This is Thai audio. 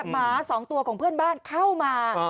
หมา๒ตัวของเพื่อนบ้านเข้ามา